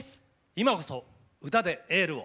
今こそ歌でエールを！